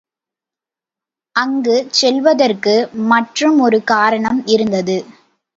அங்குச் செல்வதற்கு மற்றும் ஒரு காரணம் இருந்தது.